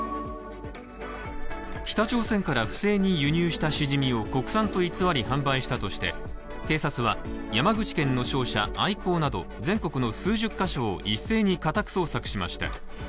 北朝鮮から不正に輸入したしじみを国産と偽り販売したとして警察は山口県の商社、アイコーなど全国の数十か所を一斉に家宅捜索しました。